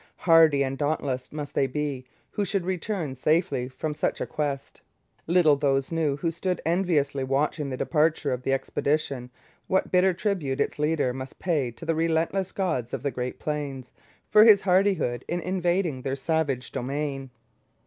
Hardy and dauntless must they be who should return safely from such a quest. Little those knew who stood enviously watching the departure of the expedition what bitter tribute its leader must pay to the relentless gods of the Great Plains for his hardihood in invading their savage domain.